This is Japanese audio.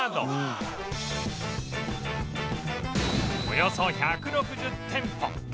およそ１６０店舗